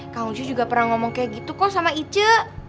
kau juga pernah ngomong kayak gitu kok sama ije